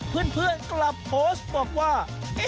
เพื่อนกลับโพสต์บอกว่า